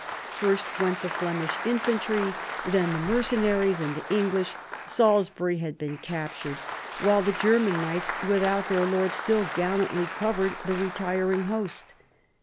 First went the Flemish infantry, then the mercenaries and the English — Salisbury had been captured — while the German knights without their lord still gallantly covered the retiring host.